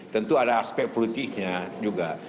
tentu ada aspek politiknya juga